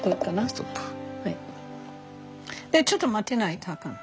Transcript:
ストップ。でちょっと待ってないとあかん。